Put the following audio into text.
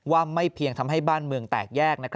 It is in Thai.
ไม่เพียงทำให้บ้านเมืองแตกแยก